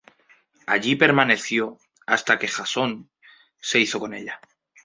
Allí permaneció hasta que Jasón se hizo con ella.